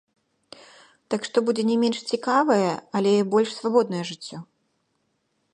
Так што будзе не менш цікавае, але больш свабоднае жыццё.